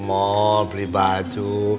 mall beli baju